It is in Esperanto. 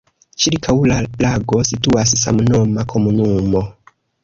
Ĉirkaŭ la lago situas samnoma komunumo.